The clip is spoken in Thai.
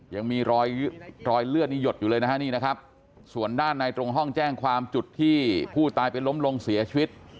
ยังมีรอยรอยเลือดนี่หยดอยู่เลยนะฮะนี่นะครับส่วนด้านในตรงห้องแจ้งความจุดที่ผู้ตายไปล้มลงเสียชีวิต